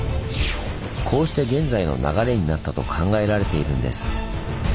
こうして現在の流れになったと考えられているんです。